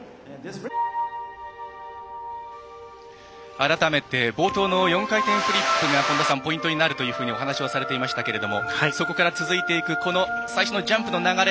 改めて、冒頭の４回転フリップがポイントになるというふうにお話はされていましたがそこから続いていくこの最初のジャンプの流れ